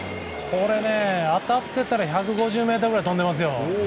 当たってたら１５０ｍぐらい飛んでますよ。